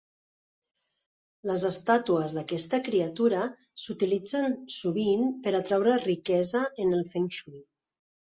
Les estàtues d'aquesta criatura s'utilitzen sovint per atraure riquesa en el Feng Shui.